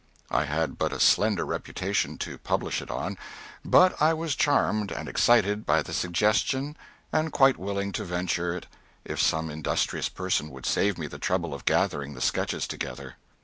I had but a slender reputation to publish it on, but I was charmed and excited by the suggestion and quite willing to venture it if some industrious person would save me the trouble of gathering the sketches together.